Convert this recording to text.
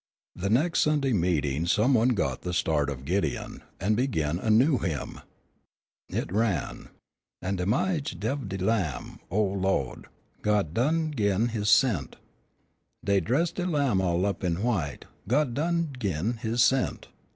The next Sunday at meeting some one got the start of Gideon, and began a new hymn. It ran: "At de ma'ige of de Lamb, oh Lawd, God done gin His 'sent. Dey dressed de Lamb all up in white, God done gin His 'sent.